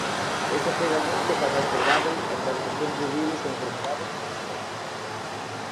Este achegamento fai máis probábel a transmisión de virus e enfermidades entre especies.